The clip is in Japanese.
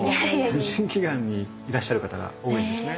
美人祈願にいらっしゃる方が多いですね。